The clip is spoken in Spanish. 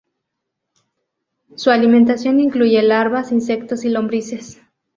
Su alimentación incluye larvas, insectos y lombrices.